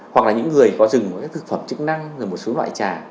hoặc là những người có dừng thực phẩm chức năng một số loại trà